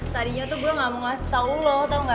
tadinya tuh gue gak mau ngasih tau lo tau gak